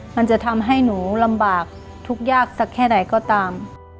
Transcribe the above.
มันจะทำให้หนูลำบากทุกข์ยากสักแค่ไหนก็ตาม